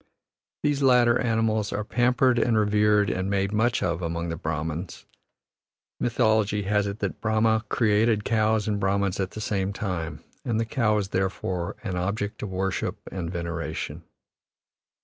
These latter animals are pampered and revered and made much of among the Brahmans; mythology has it that Brahma created cows and Brahmans at the same time, and the cow is therefore an object of worship and veneration.